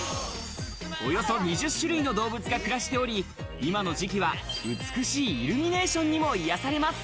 およそ２０種類の動物が暮らしており、今の時期は美しいイルミネーションにも癒されます。